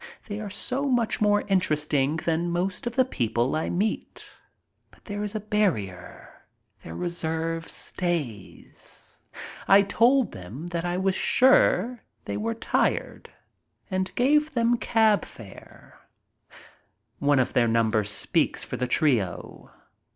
They are so much more interesting than most of the people I meet. But there is a barrier. Their reserve stays. I told them that I was sure they were tired and gave them cab fare. One of their number speaks for the trio.